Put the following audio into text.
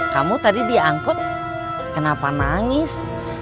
kamu tadi diangkut kenapa nangis